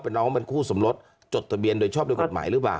น้องเป็นคู่สมรสจดทะเบียนโดยชอบโดยกฎหมายหรือเปล่า